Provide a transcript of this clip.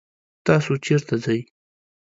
تاسو چرته ځئ؟